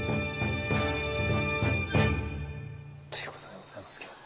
ということでございますけれども。